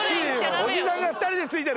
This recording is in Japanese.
おじさんが２人でついてる。